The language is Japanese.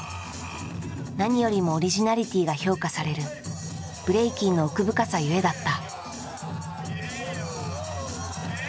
何よりもオリジナリティーが評価されるブレイキンの奥深さゆえだった。